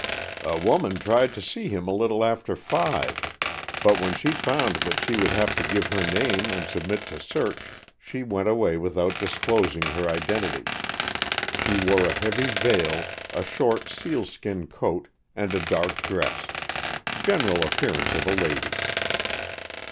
"A woman tried to see him a little after five, but when she found that she would have to give her name and submit to search, she went away without disclosing her identity. She wore a heavy veil, a short sealskin coat, and a dark dress. General appearance of a lady."